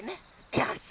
よし！